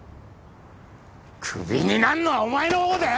クビになんのはお前のほうだよ！